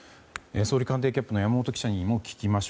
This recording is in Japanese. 総理官邸キャップの山本記者にも聞きます。